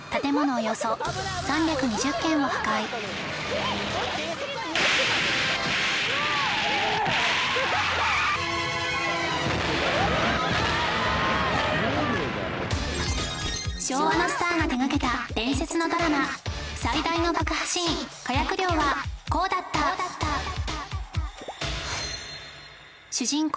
およそ３２０軒を破壊昭和のスターが手がけた伝説のドラマ最大の爆破シーン火薬量はこうだった主人公